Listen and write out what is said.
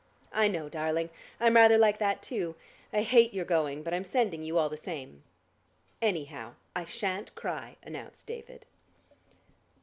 "I know, darling. I'm rather like that, too. I hate your going, but I'm sending you all the same." "Anyhow, I shan't cry," announced David.